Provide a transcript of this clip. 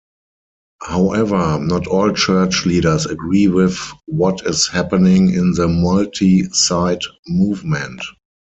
However, not all church leaders agree with what is happening in the multi-site movement.